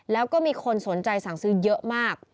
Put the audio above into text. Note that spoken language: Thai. แล้วก็มีคนสนใจสั่งซื้อเยอะมาก